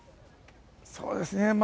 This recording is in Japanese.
そうですね。